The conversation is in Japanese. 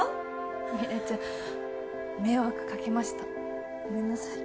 未来ちゃん迷惑かけましたごめんなさい。